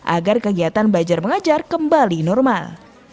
agar kegiatan belajar mengajar kembali normal